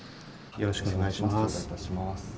よろしくお願いします。